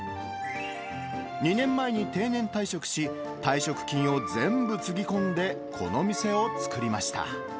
２年前に定年退職し、退職金を全部つぎ込んでこの店を作りました。